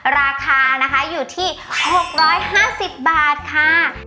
ราคานะคะอยู่ที่๖๕๐บาทค่ะ